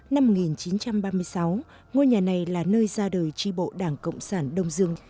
năm một nghìn chín trăm ba mươi sáu ngôi nhà này là nơi ra đời tri bộ đảng cộng sản đông dương